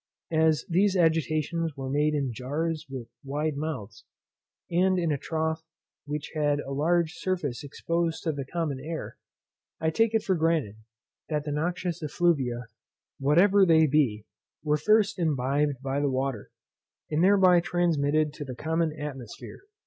As these agitations were made in jars with wide mouths, and in a trough which had a large surface exposed to the common air, I take it for granted that the noxious effluvia, whatever they be, were first imbibed by the water, and thereby transmitted to the common atmosphere.